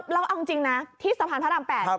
แล้วเอาจริงนะที่สะพานพระราม๘